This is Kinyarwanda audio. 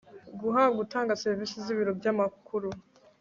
guhabwa utanga serivisi z ibiro by amakuru